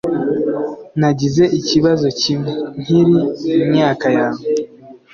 Nagize ikibazo kimwe nkiri imyaka yawe